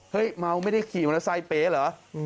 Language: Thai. เฮ้ยเมาไม่ได้ขี่มันาซัยเปะเหรอ